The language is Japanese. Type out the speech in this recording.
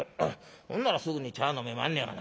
こんならすぐに茶飲めまんのやがな。